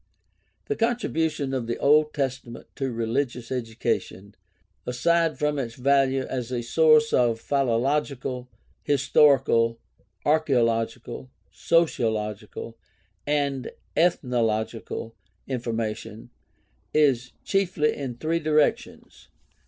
The contribution of the Old Testament to religious education, aside from its value as a source of philological, historical, archaeological, sociological, and ethnological information, is chiefly in three directions, viz.